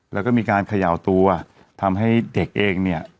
แล้วก็มีการเขย่าตัวทำให้เด็กเองเนี่ย